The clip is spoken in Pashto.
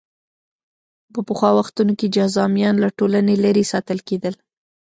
په پخوا وختونو کې جذامیان له ټولنې لرې ساتل کېدل.